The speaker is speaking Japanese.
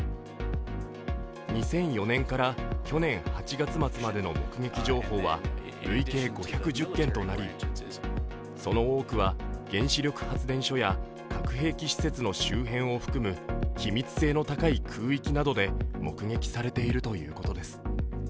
２００４年から去年８月末までの目撃情報は累計５１０件となり、その多くは原子力発電所や核兵器施設の周辺を含む機密性の高い空域などで目撃されているということです。